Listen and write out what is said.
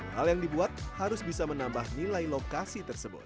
hal yang dibuat harus bisa menambah nilai lokasi tersebut